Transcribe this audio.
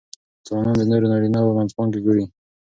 ځوانان د نورو نارینهوو منځپانګې ګوري.